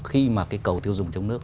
khi mà cái cầu tiêu dùng trong nước